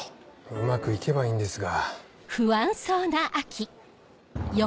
うまくいけばいいんですが。